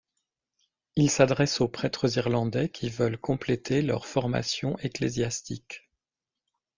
Il s'adresse aux prêtres irlandais qui veulent compléter leur formation ecclésiastique.